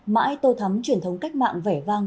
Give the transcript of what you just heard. mãi tô thắm truyền thống cách mạng vẻ vang